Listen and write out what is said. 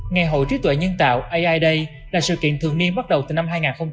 ngày hội trí tuệ nhân tạo ai day là sự kiện thường niên bắt đầu từ năm hai nghìn một mươi tám